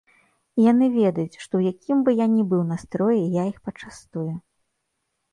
І яны ведаюць, што ў якім бы я ні быў настроі, я іх пачастую.